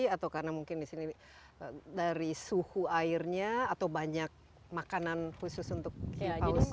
atau karena mungkin di sini dari suhu airnya atau banyak makanan khusus untuk hiu pausnya